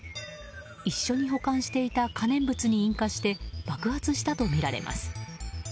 一緒に保管していた可燃物に引火して爆発したとみられます。